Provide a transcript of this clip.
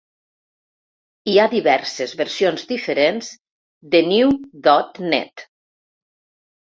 Hi ha diverses versions diferents de NewDotNet.